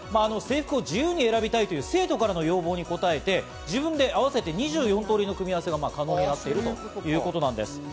制服を自由に選びたいという生徒からの要望にこたえて、自分で合わせて２４通りの組み合わせが可能になっているということです。